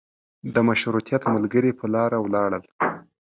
د مشروطیت ملګري په لاره ولاړل.